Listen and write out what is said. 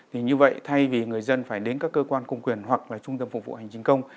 thì như vậy thay vì người dân phải đến các cơ quan công quyền hoặc là trung tâm phục vụ hành chính công